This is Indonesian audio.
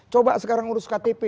coba sekarang urus ktp